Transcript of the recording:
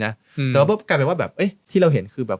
แต่ว่ากลายเป็นว่าแบบที่เราเห็นคือแบบ